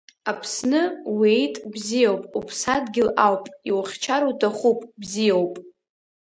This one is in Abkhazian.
Аԥсны уиит бзиоуп, уԥсадгьыл ауп, иухьчар уҭахуп бзиоуп.